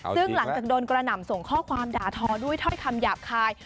ซึ่งหลังจากโดนกระหน่ำส่งข้อความด่าทอด้วยถ้อยคำหยาบคาย